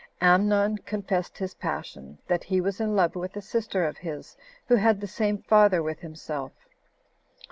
Amnon confessed his passion, that he was in love with a sister of his, who had the same father with himself.